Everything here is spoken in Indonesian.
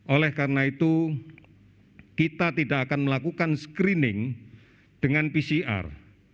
oleh karena itu kita tidak akan melakukan screening dengan pcr